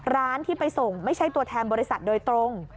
ร้านที่ไปส่งไม่ใช่ตัวแทนบริษัทโดยตรง